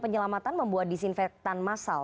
penyelamatan membuat disinfektan masal